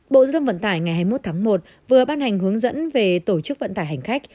bộ giao thông vận tải ngày hai mươi một tháng một vừa ban hành hướng dẫn về tổ chức vận tải hành khách